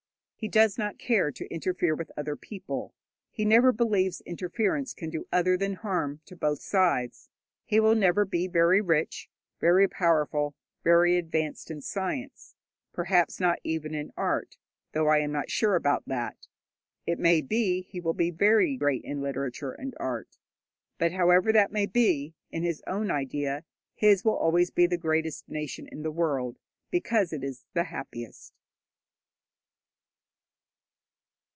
He does not care to interfere with other people: he never believes interference can do other than harm to both sides. He will never be very rich, very powerful, very advanced in science, perhaps not even in art, though I am not sure about that. It may be he will be very great in literature and art. But, however that may be, in his own idea his will be always the greatest nation in the world, because it is the happiest.